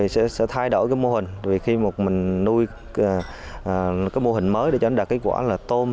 sẽ thay đổi mô hình vì khi một mình nuôi mô hình mới để cho nó đạt kết quả là tôm